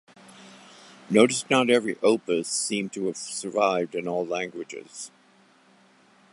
Notice not every "opus" seem to have survived in all languages.